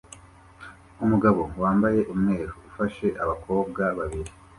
Umugabo wambaye umweru ufashe abakobwa babiri